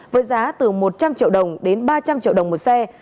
với giá từ một trăm linh triệu đồng đến ba trăm linh triệu đồng một xe